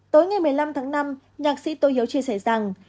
tối ngày một mươi năm tháng năm nhạc sĩ tô hiếu chia sẻ rằng